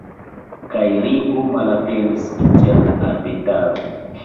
Kaj Ringo malaperis inter la arbetaro.